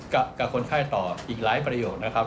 กับคนไข้ต่ออีกหลายประโยคนะครับ